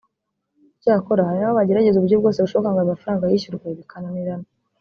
Icyakora ngo hari n’aho bagerageza uburyo bwose bushoboka ngo ayo mafaranga yishyurwe bikananirana